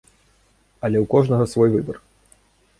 Але ў кожнага свой выбар.